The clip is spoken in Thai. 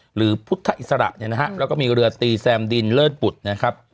หรือพุทธอิสระเนี่ยนะฮะแล้วก็มีเรือตีแซมดินเลิศบุตรนะครับ